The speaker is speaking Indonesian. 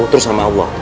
terus sama allah